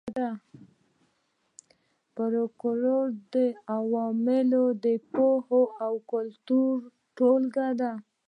فولکلور د عوامو د پوهې او کلتور ټولګه ده